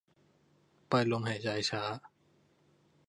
ปล่อยลมหายใจช้า